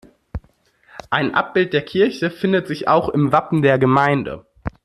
Ein Abbild der Kirche findet sich auch im Wappen der Gemeinde.